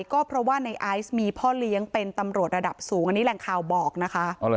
ก็เพราะว่าในไอซ์มีพ่อเลี้ยงเป็นตำรวจระดับสูงอันนี้แหล่งข่าวบอกนะคะ